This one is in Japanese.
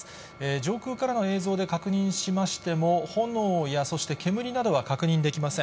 上空からの映像で確認しましても、炎や、そして煙などは確認できません。